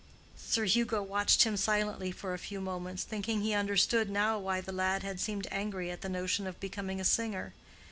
Sir Hugo watched him silently for a few moments, thinking he understood now why the lad had seemed angry at the notion of becoming a singer.